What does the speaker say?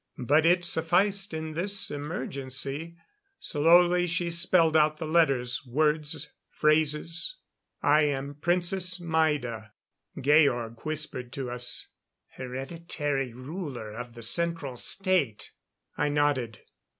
But it sufficed in this emergency. Slowly she spelled out the letters, words, phrases. "I am Princess Maida " Georg whispered to us: "Hereditary ruler of the Central State " I nodded.